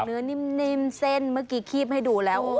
นิ่มเส้นเมื่อกี้คีบให้ดูแล้ว